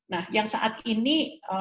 nah yang saat ini